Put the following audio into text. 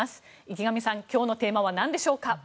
池上さん、今日のテーマは何でしょうか？